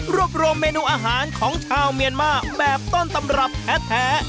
รวบรวมเมนูอาหารของชาวเมียนมาแบบต้นตำรับแท้